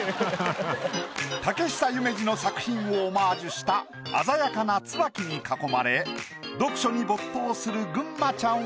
竹久夢二の作品をオマージュした鮮やかな椿に囲まれ読書に没頭するぐんまちゃんを描いた。